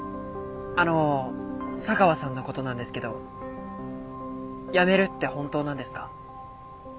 あの茶川さんのことなんですけど辞めるって本当なんですか？